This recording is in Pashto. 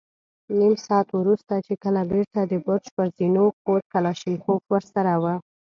نيم ساعت وروسته چې کله بېرته د برج پر زينو خوت، کلاشينکوف ور سره و.